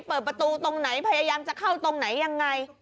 เปิดประตูตรงไหนพยายามจะเข้าตรงไหนยังไง